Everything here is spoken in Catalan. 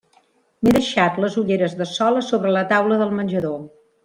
M'he deixat les ulleres de sol a sobre la taula del menjador.